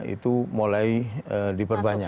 itu mulai diperbanyak